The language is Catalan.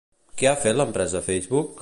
Què ha fet l'empresa Facebook?